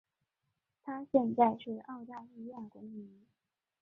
她现在是澳大利亚公民。